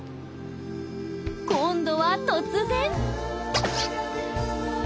今度は突然。